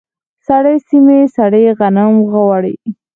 سړې سیمې سړې غنم غواړي.